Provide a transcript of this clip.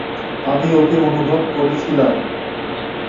আমি ওকে অনুভব করেছিলাম।